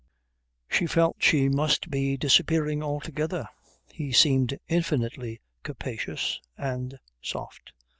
She felt she must be disappearing altogether. He seemed infinitely capacious and soft.